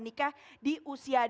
ini ada dua dua rusaknya